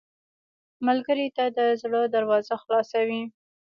ملګری ته د زړه دروازه خلاصه وي